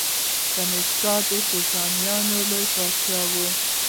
کنیشکا د کوشانیانو لوی پاچا و.